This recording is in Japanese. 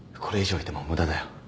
これ以上いても無駄だよ。